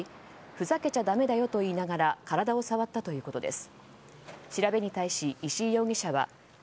ふざけちゃだめだよと言いながら体を触ったということです。